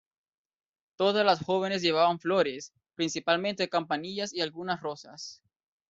Todas las jóvenes llevaban flores, principalmente campanillas y algunas rosas.